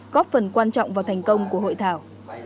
góp phần quan trọng vào thành công của hội thảo